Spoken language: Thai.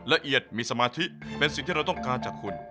ละเอียดมีสมาธิเป็นสิ่งที่เราต้องการจากคุณ